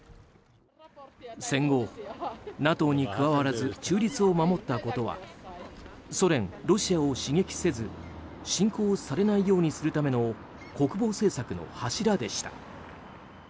戦後、ＮＡＴＯに加わらず中立を守ったことはソ連、ロシアを刺激せず侵攻されないようにするための国防政策の柱でした。